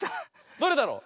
どれだろう？